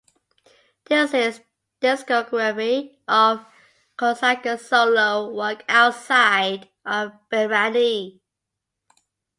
This is a discography of Kosaka's solo work outside of Bemani.